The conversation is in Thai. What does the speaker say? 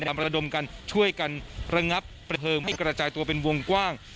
ทำระดมกันช่วยกันระงับเปลี่ยนเพิ่มให้กระจายตัวเป็นวงกว้าง